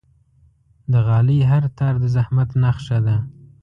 د غالۍ هر تار د زحمت نخښه ده.